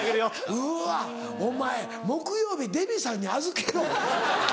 うわお前木曜日デヴィさんに預けろ。